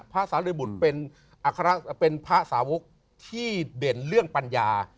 สาริบุตรเป็นอัคระเป็นพระสาวกที่เด่นเรื่องปัญญา